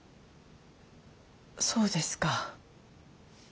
そうですか。